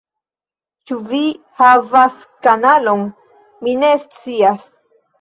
Ĉu vi havas kanalon? Mi ne scias